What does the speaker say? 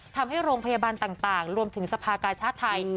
ทำให้โรงพยาบาลต่างรวมถึงสภากาชาติไทย